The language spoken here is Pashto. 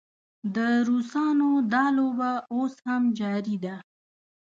د روسانو دا لوبه اوس هم جاري ده.